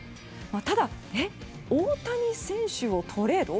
ただ、大谷選手をトレード？